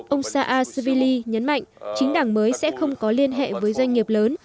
ông saakashvili nhấn mạnh chính đảng mới sẽ không có liên hệ với doanh nghiệp lớn